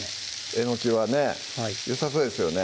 えのきはねよさそうですよね